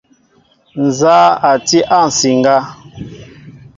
Nza a ti a nsiŋga?